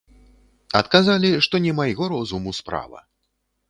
Адказалі, што не майго розуму справа.